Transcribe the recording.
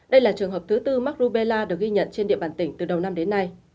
đây là trường hợp thứ tư marubella được ghi nhận trên địa bàn tỉnh từ đầu năm đến nay